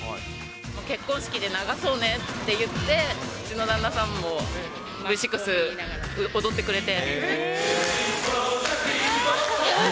結婚式で流そうねって言って、うちの旦那さんもＶ６踊ってくれて。